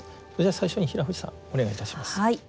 最初に平藤さんお願いいたします。